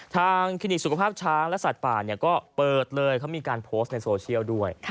คลินิกสุขภาพช้างและสัตว์ป่าก็เปิดเลยเขามีการโพสต์ในโซเชียลด้วย